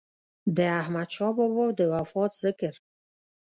د احمد شاه بابا د وفات ذکر